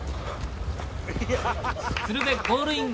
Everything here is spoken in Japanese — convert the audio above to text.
鶴瓶ゴールイン。